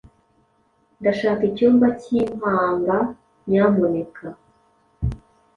Ndashaka icyumba cyimpanga, nyamuneka.